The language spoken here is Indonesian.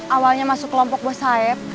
awalnya masuk kelompok bos saeb